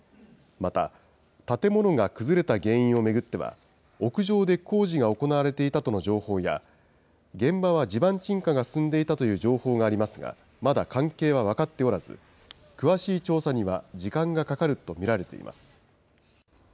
また、建物が崩れた原因を巡っては、屋上で工事が行われていたとの情報や、現場は地盤沈下が進んでいたとの情報がありますが、まだ関係は分かっておらず、詳しい調査には時間がかかると見られています。